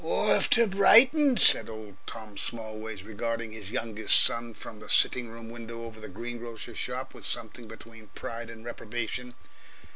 "Orf to Brighton!" said old Smallways, regarding his youngest son from the sitting room window over the green grocer's shop with something between pride and reprobation.